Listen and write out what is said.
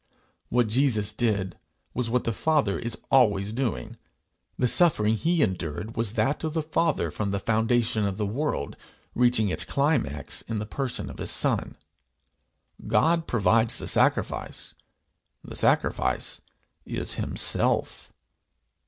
What Jesus did, was what the Father is always doing; the suffering he endured was that of the Father from the foundation of the world, reaching its climax in the person of his Son. God provides the sacrifice; the sacrifice is himself.